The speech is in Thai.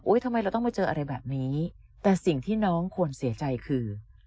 ทำไมเราต้องมาเจออะไรแบบนี้แต่สิ่งที่น้องควรเสียใจคือ